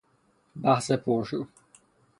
بحث پر شور